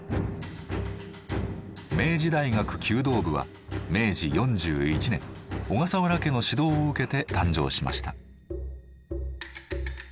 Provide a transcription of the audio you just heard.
明治大学弓道部は明治４１年小笠原家の指導を受けて誕生しました。